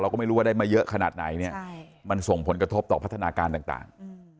ก็ไม่รู้ว่าได้มาเยอะขนาดไหนเนี่ยมันส่งผลกระทบต่อพัฒนาการต่าง